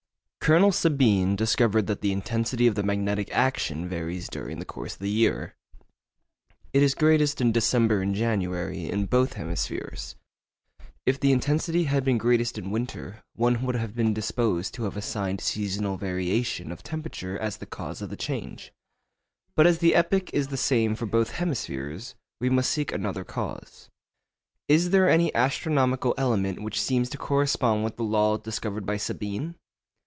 Colonel Sabine discovered that the intensity of the magnetic action varies during the course of the year. It is greatest in December and January in both hemispheres. If the intensity had been greatest in winter, one would have been disposed to have assigned seasonal variation of temperature as the cause of the change. But as the epoch is the same for both hemispheres, we must seek another cause. Is there any astronomical element which seems to correspond with the law discovered by Sabine?